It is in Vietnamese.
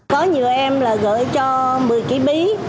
có nhiều em là gửi cho một mươi kỹ bí